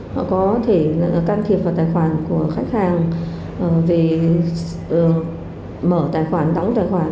họ có thể can thiệp vào tài khoản của khách hàng về mở tài khoản đóng tài khoản